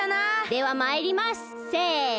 ではまいります！せの！